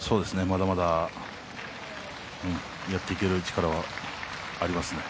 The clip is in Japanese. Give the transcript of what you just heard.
まだまだやっていける力はありますね。